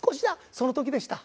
その時でした。